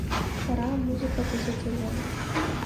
Лара амузыка дазыӡырҩуан.